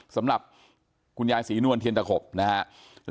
สำหรับคุณยายศรีนวลเทียนตะขบนะครับ